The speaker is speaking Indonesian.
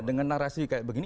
dengan narasi kayak begini